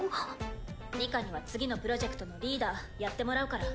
ニカには次のプロジェクトのリーダーやってもらうから。